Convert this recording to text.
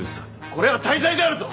これは大罪であるぞ！